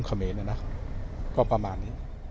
สวัสดีครับ